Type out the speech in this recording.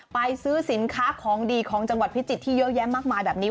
ซื้อสินค้าของดีของจังหวัดพิจิตรที่เยอะแยะมากมายแบบนี้